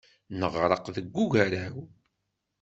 Neɣreq deg ugaraw.